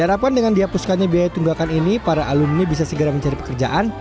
harapan dengan dihapuskannya biaya tunggakan ini para alumni bisa segera mencari pekerjaan